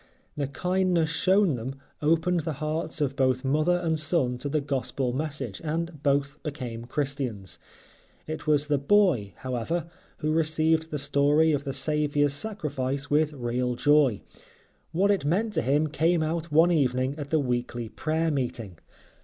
The kindness shown them opened the hearts of both mother and son to the Gospel message and both became Christians. It was the boy, however, who received the story of the Saviour's Sacrifice with real joy. What it meant to him came out one evening at the weekly prayer meeting.